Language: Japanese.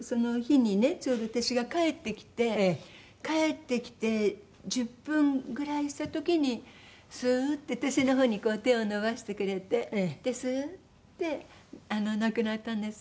ちょうど私が帰ってきて帰ってきて１０分ぐらいした時にスーッて私のほうにこう手を伸ばしてくれてでスーッて亡くなったんです。